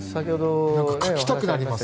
描きたくなります。